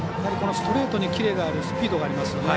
ストレートにキレがあるスピードがありますよね。